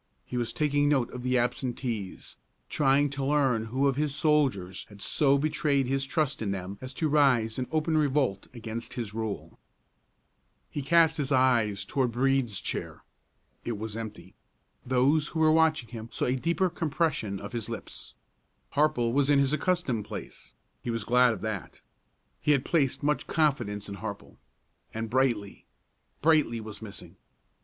He was taking note of the absentees, trying to learn who of his soldiers had so betrayed his trust in them as to rise in open revolt against his rule. He cast his eyes toward Brede's chair; it was empty. Those who were watching him saw a deeper compression of his lips. Harple was in his accustomed place; he was glad of that, he had placed much confidence in Harple. And Brightly Brightly was missing.